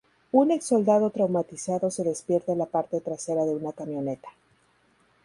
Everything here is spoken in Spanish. Un exsoldado traumatizado se despierta en la parte trasera de una camioneta.